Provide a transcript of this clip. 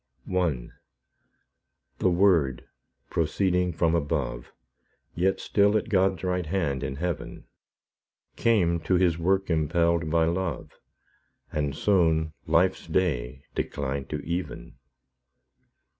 I The Word, proceeding from above, Yet still at God's right hand in heaven, Came to His work impelled by love, And soon life's day declined to even.